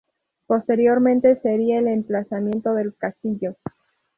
Posteriormente sería el emplazamiento del castillo.